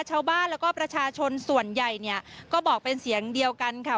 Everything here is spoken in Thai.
ชาวบ้านแล้วก็ประชาชนส่วนใหญ่เนี่ยก็บอกเป็นเสียงเดียวกันค่ะ